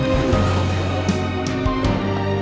jangan lupa untuk mencoba